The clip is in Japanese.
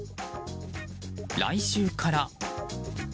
来週から。